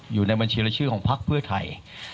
อยู่ในบัญชีและชื่อของพักเพื่อไทย